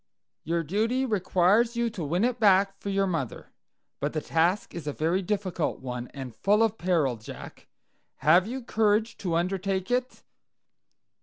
"Your duty requires you to win it back for your mother. But the task is a very difficult one, and full of peril, Jack. Have you courage to undertake it?"